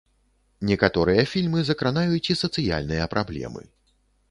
Некаторыя фільмы закранаюць і сацыяльныя праблемы.